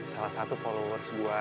salah satu followers gue